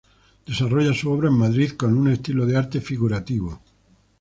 Desarrolla su obra en Madrid, con un estilo de arte figurativo.